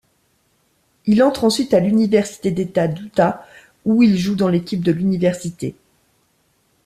Il entre ensuite à l'université d'État d'Utah où il joue dans l'équipe de l'université.